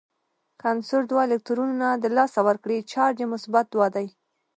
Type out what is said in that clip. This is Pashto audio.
که عنصر دوه الکترونونه د لاسه ورکړي چارج یې مثبت دوه دی.